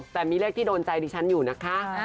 แต่มีเลขที่โดนใจดิฉันอยู่นะคะ